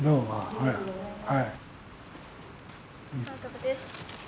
おめでとうございます。